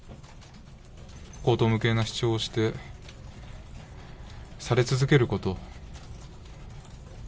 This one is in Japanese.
荒唐無稽な主張をして、され続けること。